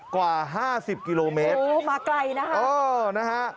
กว่า๕๐กิโลเมตรโอ้โฮมาไกลนะครับโอ้นะฮะ